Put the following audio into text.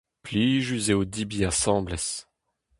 Plijus eo debriñ asambles.